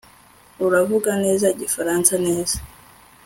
Uravuga neza Igifaransa neza